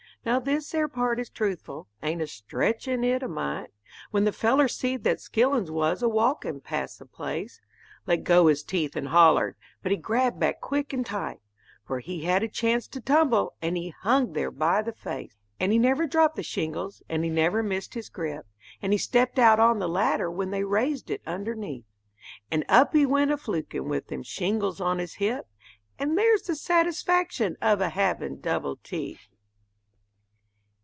Now this ere part is truthful ain't a stretchin' it a mite, When the feller seed that Skillins was a walkin' past the place, Let go his teeth and hollered, but he grabbed back quick and tight, 'Fore he had a chance to tumble, and he hung there by the face. And he never dropped the shingles, and he never missed his grip, And he stepped out on the ladder when they raised it underneath; And up he went a flukin' with them shingles on his hip, And there's the satisfaction of a havin' double teeth.